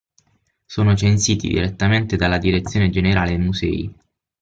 Sono censiti direttamente dalla Direzione Generale Musei.